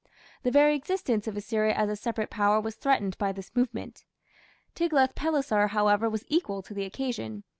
The very existence of Assyria as a separate power was threatened by this movement. Tiglath pileser, however, was equal to the occasion.